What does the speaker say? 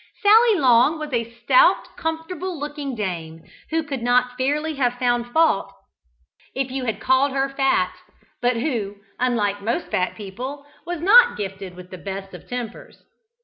Sally Long was a stout, comfortable looking dame, who could not fairly have found fault if you had called her fat, but who, unlike most fat people, was not gifted with the best of tempers.